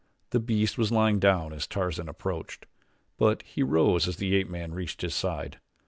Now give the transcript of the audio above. The beast was lying down as Tarzan approached, but he rose as the ape man reached his side.